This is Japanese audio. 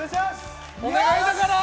お願いだから！